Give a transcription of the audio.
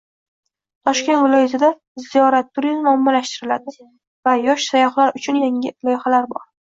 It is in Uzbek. Toshkent viloyatida ziyorat turizmi ommalashtiriladi va “Yosh sayyohlar uchun” yangi loyihalar bor